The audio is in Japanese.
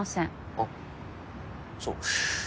あっそうか。